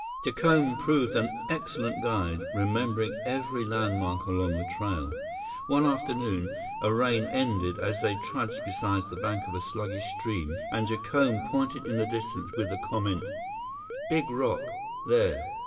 Jacome proved an excellent guide, remembering every landmark along the trail. One afternoon, a rain ended as they trudged beside the bank of a sluggish stream and Jacome pointed into the distance with the comment: "Big rock. There."